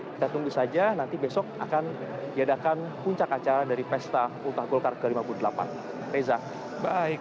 kita tunggu saja nanti besok akan diadakan puncak acara dari pesta ultra golkar ke lima puluh delapan reza